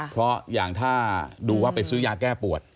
เพราะอย่างถ้าดูว่าไปซื้อยาแก้ปวด